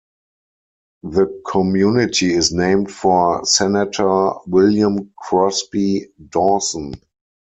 The community is named for Senator William Crosby Dawson.